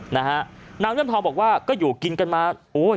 นางเลื่อมทองบอกว่าก็อยู่กินกันมาโอ้ย